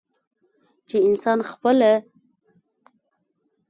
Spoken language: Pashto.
چې انسان خپله